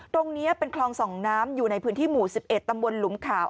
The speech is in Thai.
ตรงนี้เป็นคลองส่องน้ำอยู่ในพื้นที่หมู่๑๑ตำบลหลุมขาว